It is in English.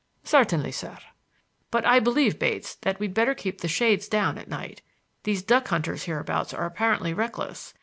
"Certainly, sir." "But I believe, Bates, that we'd better keep the shades down at night. These duck hunters hereabouts are apparently reckless.